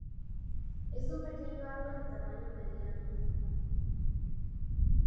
Es un pequeño árbol de tamaño mediano.